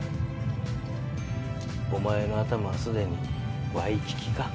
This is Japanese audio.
おまえの頭は既にワイキキか？